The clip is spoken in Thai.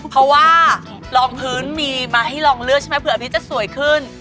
เพราะว่ารองพื้นมีมาให้ลองเลือกใช่ไหมเผื่อพี่จะสวยขึ้น